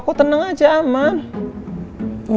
kok tenang aja aman